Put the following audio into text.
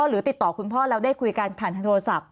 หรือติดต่อคุณพ่อแล้วได้คุยกันผ่านทางโทรศัพท์